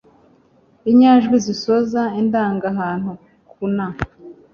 inyajwi zisoza indangahantu ku na